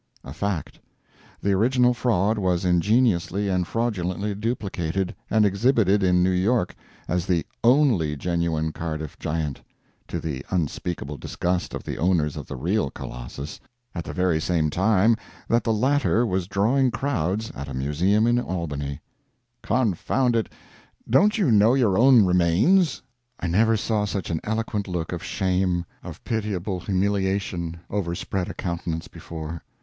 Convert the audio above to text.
[A fact. The original fraud was ingeniously and fraudfully duplicated, and exhibited in New York as the "only genuine" Cardiff Giant (to the unspeakable disgust of the owners of the real colossus) at the very same time that the latter was drawing crowds at a museum in Albany,] Confound it, don't you know your own remains?" I never saw such an eloquent look of shame, of pitiable humiliation, overspread a countenance before.